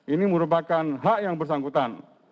ini merupakan hak yang bersangkutan